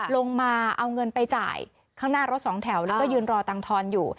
ลงมาเอาเงินไปจ่ายข้างหน้ารถสองแถวแล้วก็ยืนรอตังทอนอยู่